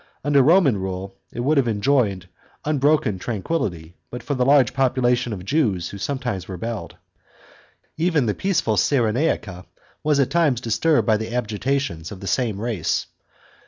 Under Roman rule it would have enjoyed unbroken tranquillity, but for the large population of Jews who sometimes rebelled. Even the peaceful Cyrenaica was at times disturbed by the agitations of the same race.